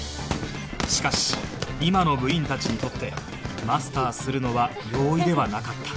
しかし今の部員たちにとってマスターするのは容易ではなかった